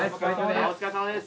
お疲れさまです。